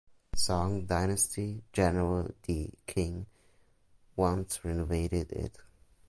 Song dynasty general Di Qing once renovated it.